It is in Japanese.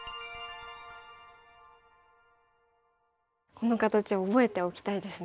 この形覚えておきたいですね。